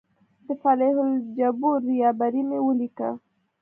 د فلیح الجبور ریباري مې ولیکه.